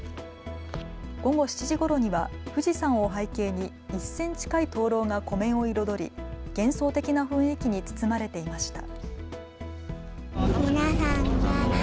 午後７時ごろには富士山を背景に１０００近い灯籠が湖面を彩り幻想的な雰囲気に包まれていました。